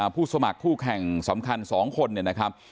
ผู้สมัครผู้แข่งสำคัญสองคนนะครับ